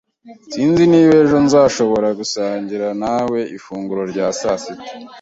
Sinzi niba ejo nzashobora gusangira nawe ifunguro rya sasita